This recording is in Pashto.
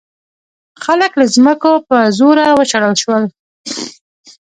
خلک له ځمکو په زوره وشړل شول.